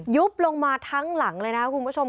บลงมาทั้งหลังเลยนะคุณผู้ชม